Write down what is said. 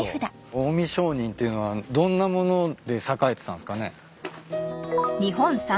近江商人っていうのはどんな物で栄えてたんすかね？